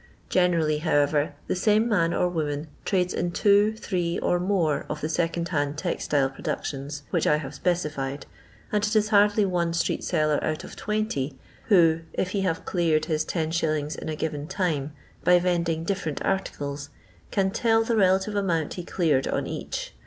Generally, however, the same man or woman trades in two, three, or more of the second hand textile productions which I have specified, and it is hardly one street seller out of 20, who if he have cleared his 10«. in a given time, by vend ing different articles, cnn tell the relative amount he cleared on each.